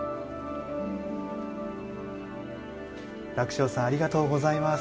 礫翔さんありがとうございます。